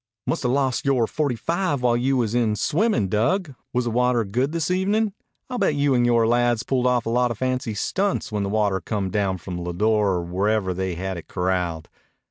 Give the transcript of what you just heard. "Must 'a' lost yore forty five whilst you was in swimmin', Dug. Was the water good this evenin'? I'll bet you and yore lads pulled off a lot o' fancy stunts when the water come down from Lodore or wherever they had it corralled."